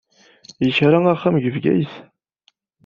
Yekra axxam deg Bgayet.